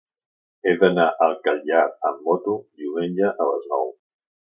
He d'anar al Catllar amb moto diumenge a les nou.